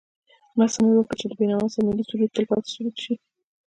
هڅه مې وکړه چې د بېنوا صاحب ملي سرود تل پاتې سرود شي.